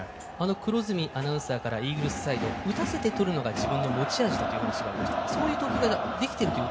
黒住アナウンサーからイーグルスサイド打たせてとらせるのが自分の持ち味だという話がありました。